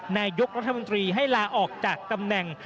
นายกรัฐมนตรีให้ลาออกจากตำแหน่ง